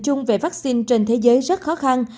chung về vaccine trên thế giới rất khó khăn